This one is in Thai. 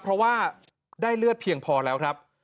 เพราะว่าได้เลือดเพียงพอแล้วครับ